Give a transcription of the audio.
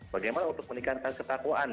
bagaimana untuk meningkatkan ketakuan